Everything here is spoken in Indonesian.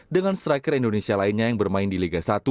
dengan striker indonesia lainnya yang bermain di liga satu